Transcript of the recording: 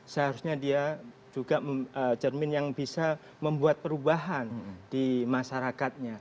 seharusnya dia juga cermin yang bisa membuat perubahan di masyarakatnya